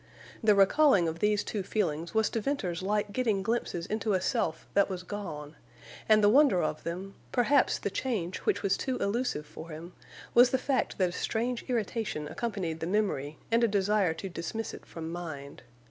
The recalling of these two feelings was to Venters like getting glimpses into a self that was gone; and the wonder of them—perhaps the change which was too illusive for him—was the fact that a strange irritation accompanied the memory and a desire to dismiss it from mind.